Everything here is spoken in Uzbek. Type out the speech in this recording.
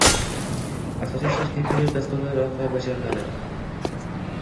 Asosiy ishlar kompyuter dasturlari orqali bajariladi.